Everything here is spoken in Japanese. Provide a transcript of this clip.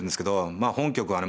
まあ本局はね